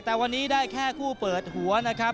แต่วันนี้ได้แค่คู่เปิดหัวนะครับ